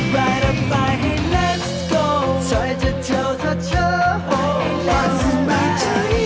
ปันปันจะกระยังไป